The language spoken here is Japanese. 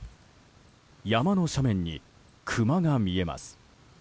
山の斜面にクマが見えます。